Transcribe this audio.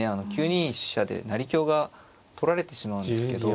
９二飛車で成香が取られてしまうんですけど。